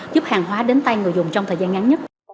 giúp hàng hóa đến tay người dùng trong thời gian ngắn nhất